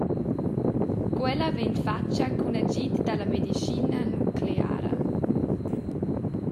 Quella vegn fatga cun agid dalla medischina nucleara.